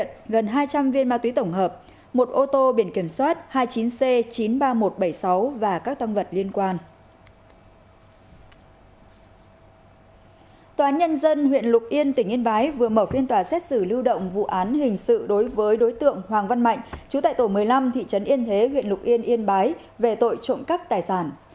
tại tổ một mươi năm thị trấn yên thế huyện lục yên yên bái về tội trộm cắp tài sản